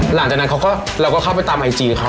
หลังจากนั้นเขาก็เราก็เข้าไปตามไอจีเขา